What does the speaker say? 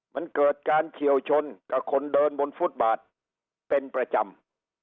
มันเกิดการเฉียวชนกับคนเดินบนฟุตบาทเป็นประจำ